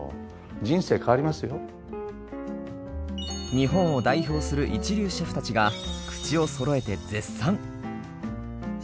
日本を代表する一流シェフたちが口をそろえて絶賛。